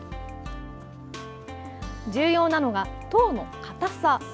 重要なのが籐の硬さ。